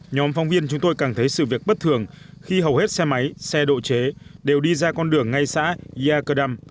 nhóm phóng viên chúng tôi cảm thấy sự việc bất thường khi hầu hết xe máy xe độ chế đều đi ra con đường ngay xã ia cơdam